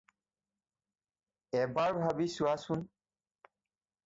এবাৰ ভাবি চোৱাচোন